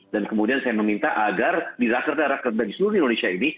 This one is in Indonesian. dan kemudian saya meminta agar di rakerda rakerda di seluruh indonesia ini